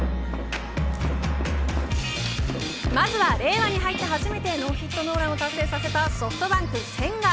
まずは令和に入って初めてノーヒットノーランを達成させたソフトバンク千賀。